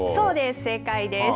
正解です。